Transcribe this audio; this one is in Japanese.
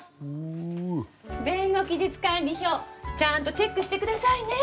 弁護期日管理票ちゃんとチェックしてくださいね。